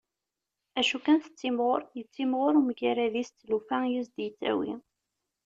Acu kan tettimɣur, yettimɣur umgarad-is d tlufa i d as-d-yettawi.